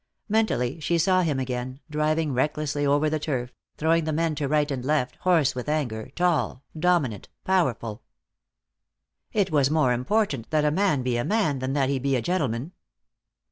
Mentally she saw him again, driving recklessly over the turf, throwing the men to right and left, hoarse with anger, tall, dominant, powerful. It was more important that a man be a man than that he be a gentleman.